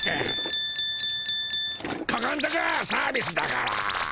ここんとこはサービスだから。